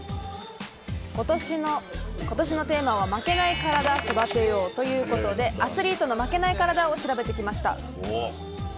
今年のテーマは「負けないカラダ、育てよう」ということで、アスリートの負けないカラダを調べてきました。